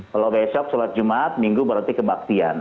kalau besok sholat jumat minggu berarti kebaktian